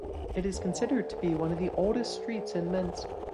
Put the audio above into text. It is considered to be one of the oldest streets in Minsk.